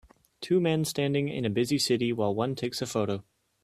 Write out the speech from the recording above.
Two men standing in a busy city while one takes a photo